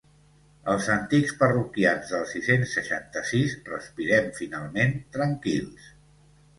Els antics parroquians del sis-cents seixanta-sis respirem finalment tranquils.